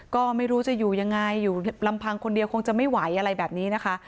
ก็ไม่รู้จะอยู่ยังไงอยู่ลำพังคนเดียวคงจะไม่ไหวอะไรแบบนี้นะคะ